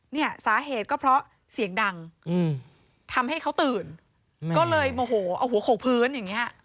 เนี่ยสาเหตุก็เพราะเสียงดังทำให้เขาตื่นก็เลยโมโหเอาหัวโขกพื้นอย่างเงี้ย